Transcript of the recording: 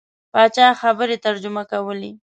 پاچا خبرې ترجمه کولې.